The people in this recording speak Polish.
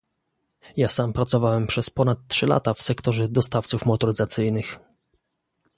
Ja sam pracowałem przez ponad trzy lata w sektorze dostawców motoryzacyjnych